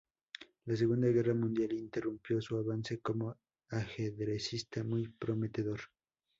La Segunda Guerra Mundial interrumpió su avance como ajedrecista, muy prometedor.